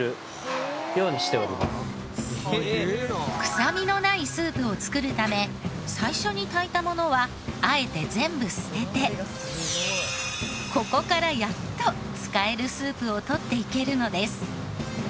臭みのないスープを作るため最初に炊いたものはあえて全部捨ててここからやっと使えるスープを取っていけるのです。